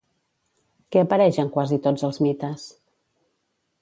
Què apareix en quasi tots els mites?